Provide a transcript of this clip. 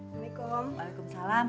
waalaikum waalaikum salam